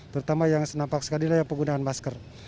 terutama yang senampak sekali adalah penggunaan masker